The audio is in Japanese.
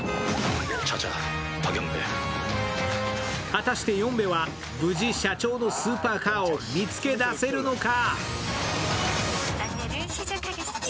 果たしてヨンベは無事、社長のスーパーカーを見つけ出せるのか。